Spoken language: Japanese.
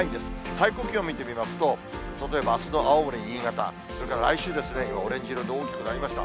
最高気温見てみますと、例えばあすの青森、新潟、それから来週、今、オレンジ色で大きくなりました。